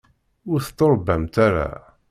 Ur tettuṛebbamt ara.